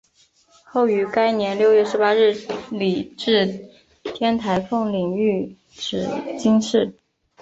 后于该年六月十八日礼置天台奉领玉旨济世。